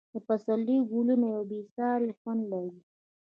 د پسرلي ګلونه یو بې ساری خوند لري.